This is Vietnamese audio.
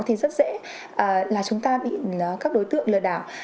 thì rất dễ là chúng ta bị các đối tượng lừa đảo